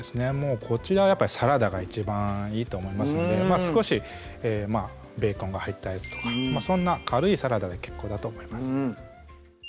こちらはやっぱりサラダが一番いいと思いますので少しベーコンが入ったやつとかそんな軽いサラダで結構だと思います